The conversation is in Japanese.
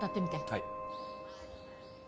はい。